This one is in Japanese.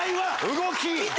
動き！